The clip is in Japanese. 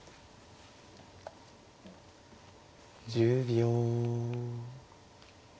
１０秒。